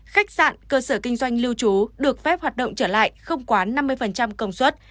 khách sạn cơ sở kinh doanh lưu trú được phép hoạt động trở lại không quá năm mươi công suất